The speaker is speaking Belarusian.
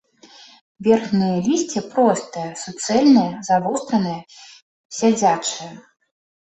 Верхняе лісце простае, суцэльнае, завостранае, сядзячае.